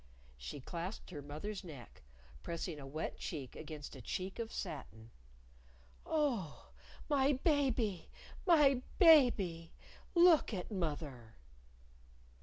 She clasped her mother's neck, pressing a wet cheek against a cheek of satin. "Oh, my baby! My baby! Look at mother!"